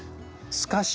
すかし。